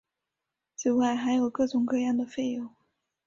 此外还有各种各样的费用。